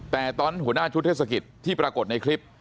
แต่ตอนหัวหน้าชุดเทศกิจที่ปรากฏในคลิป